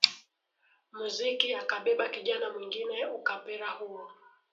muziki akabeba kijana mwingine ukapera huo